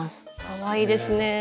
かわいいですね。